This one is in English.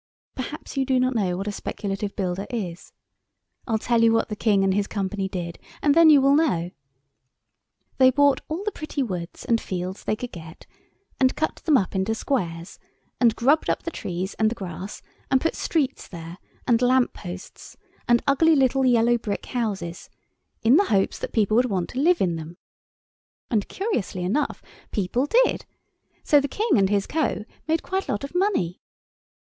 Perhaps you do not know what a speculative builder is. I'll tell you what the King and his Co. did, and then you will know. They bought all the pretty woods and fields they could get and cut them up into squares, and grubbed up the trees and the grass and put streets there and lamp posts and ugly little yellow brick houses, in the hopes that people would want to live in them. And curiously enough people did. So the King and his Co. made quite a lot of money.